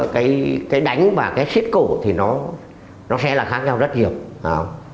cái đánh và cái khiết cổ thì nó sẽ là khác nhau rất nhiều